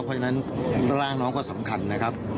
เพราะฉะนั้นร่างน้องก็สำคัญนะครับ